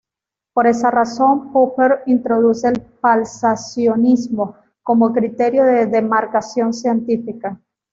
Por esa razón Popper introduce el falsacionismo como criterio de demarcación científica.